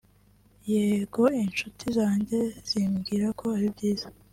“Yego inshuti zanjye zimbwira ko ari byiza